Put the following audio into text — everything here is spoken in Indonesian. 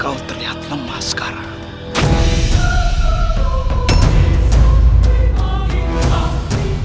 kau terlihat lemah sekarang